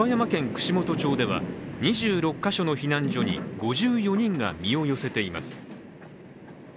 串本町では２６か所の避難所に５４人が身を寄せています。